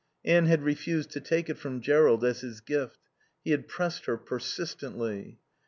Anne had refused to take it from Jerrold as his gift. He had pressed her persistently.